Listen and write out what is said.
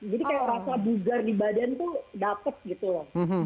jadi kayak rasa bugar di badan tuh dapet gitu loh